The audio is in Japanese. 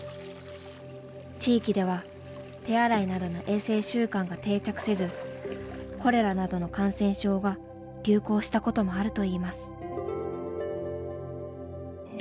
地域では手洗いなどの衛生習慣が定着せずコレラなどの感染症が流行したこともあるといいます。